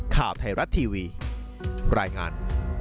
ข่าวไทยรัฐทีวีรายงาน